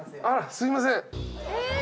すいません。